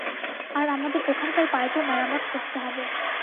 আর আমাদের ওখানকার পাইপও মেরামত করতে হবে।